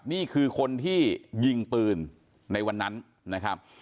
นี่คือคนที่ยิงปืนในวันนั้นนะครับ